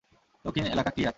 দক্ষিণ এলাকা ক্লিয়ার।